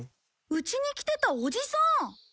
うちに来てたおじさん！